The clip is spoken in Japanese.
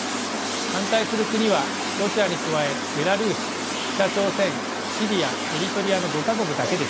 反対する国はロシアに加えベラルーシ北朝鮮シリアエリトリアの５か国だけでした。